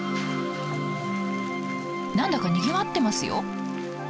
何だかにぎわってますよ。